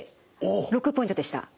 ６ポイントでした。